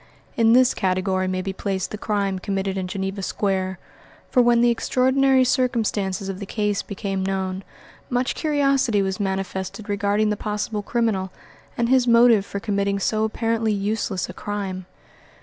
In this category may be placed the crime committed in Geneva Square; for when the extraordinary circumstances of the case became known, much curiosity was manifested regarding the possible criminal and his motive for committing so apparently useless a crime.